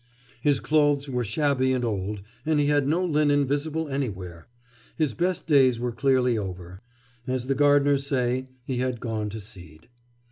His clothes were shabby and old, and he had no linen visible anywhere. His best days were clearly over: as the gardeners say, he had gone to seed.